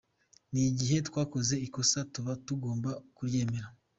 N’igihe twakoze ikosa tuba tugomba kuryemera.